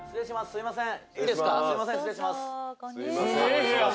すいません